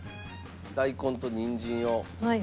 大根とにんじんを。